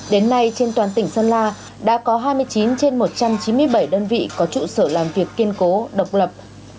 đến nay trên toàn tỉnh sơn la đã có hai mươi chín trên một trăm chín mươi bảy đơn vị có trụ sở làm việc kiên cố độc lập